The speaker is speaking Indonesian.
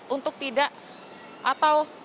untuk tidak berlaku vaksin